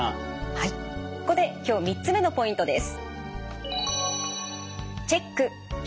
はいここで今日３つ目のポイントです。